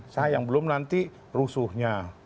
sayang belum nanti rusuhnya